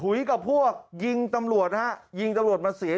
กับพวกยิงตำรวจฮะยิงตำรวจมาเสีย